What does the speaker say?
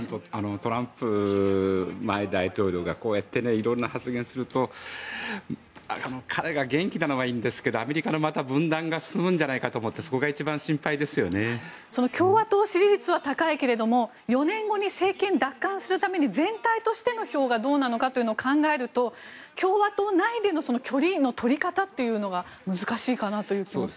トランプ前大統領がこうやって色んな発言をすると彼が元気なのはいいんですがアメリカのまた分断が進むんじゃないかと思って共和党支持率は高いけれど４年後に政権を奪還するために全体としての票がどうなのかを考えると共和党内での距離の取り方というのが難しいかなという気がします。